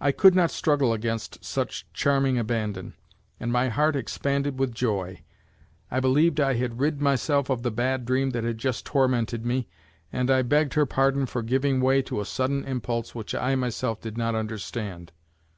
I could not struggle against such charming abandon, and my heart expanded with joy; I believed I had rid myself of the bad dream that had just tormented me, and I begged her pardon for giving way to a sudden impulse which I, myself, did not understand.